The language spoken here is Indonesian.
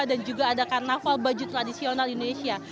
dan juga ada karnaval baju tradisional indonesia